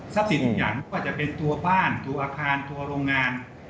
สิ่งทุกอย่างก็จะเป็นตัวบ้านตัวอาคารตัวโรงงาน